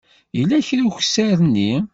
Yella kra ukessar-nni?